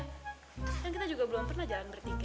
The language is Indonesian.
kan kita juga belum pernah jalan berpikir